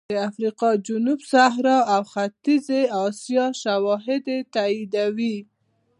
د افریقا جنوب صحرا او ختیځې اسیا شواهد یې تاییدوي